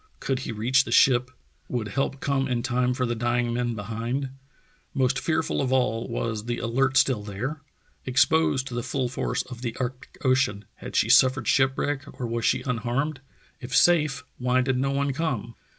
Could he reach the ship? Would help come in time for the dying men behind? Most fear ful of all, was the Alert still there? Exposed to the full force of the Arctic Ocean, had she suffered ship wTeck or was she unharmed? If safe, why did no one come?